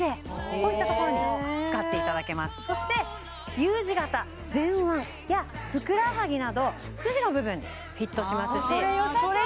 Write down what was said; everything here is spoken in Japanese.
こういったところに使っていただけますそしてＵ字形前腕やふくらはぎなど筋の部分にフィットしますしこれよさそう！